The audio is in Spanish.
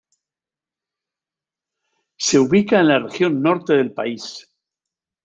Se ubica en la región norte del país.